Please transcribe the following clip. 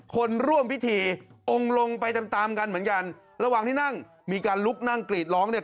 คนร่วมพิธีองค์ลงไปตามตามกันเหมือนกันระหว่างที่นั่งมีการลุกนั่งกรีดร้องเนี่ย